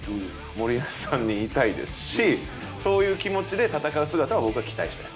森保さんに言いたいですしそういう気持ちで戦う姿を僕は期待してる。